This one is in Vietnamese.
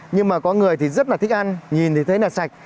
nhưng mà có người thì rất là thích ăn nhìn thì thấy là sạch